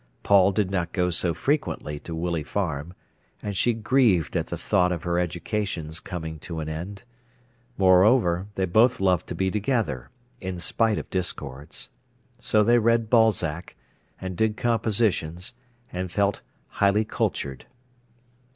Paul did not go so frequently to Willey Farm, and she grieved at the thought of her education's coming to end; moreover, they both loved to be together, in spite of discords. So they read Balzac, and did compositions, and felt highly cultured.